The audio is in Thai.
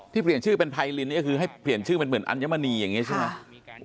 เปลี่ยนชื่อเป็นไพรินนี่ก็คือให้เปลี่ยนชื่อเป็นเหมือนอัญมณีอย่างนี้ใช่ไหม